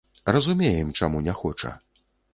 Разумеем, чаму не хоча.